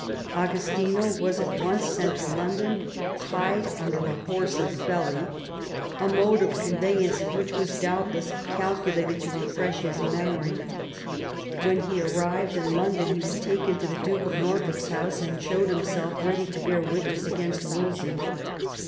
Agostino was at once sent to London tied under a horse's belly — a mode of conveyance which was doubt less calculated to refresh his memory. When he arrived in London he was taken to the Duke of Norfolk's house, and showed himself ready to bear witness against Wolsey.